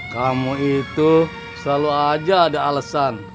kamu itu selalu aja ada alasan